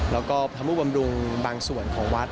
แล้วก็ก็ทำอุปรับบังกันส่วนของวัด